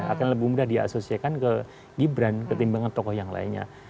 akan lebih mudah diasosiakan ke gibran ketimbangkan tokoh yang lainnya